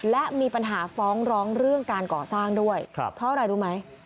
และมีปัญหาฟ้องร้องเรื่องการก่อสร้างด้วยเพราะอะไรรู้ไหม